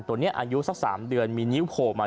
ตัวเนี่ยอายุสักสามเดือนมีนิ้วโผลก